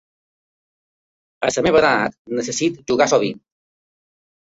A la meva edat, necessito jugar sovint.